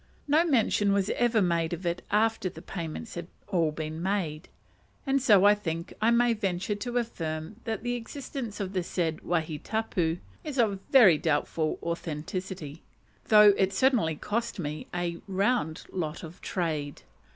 No mention was ever made of it after the payments had been all made, and so I think I may venture to affirm that the existence of the said wahi tapu is of very doubtful authenticity, though it certainly cost me a round "lot of trade."